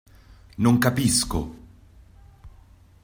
Non capisco!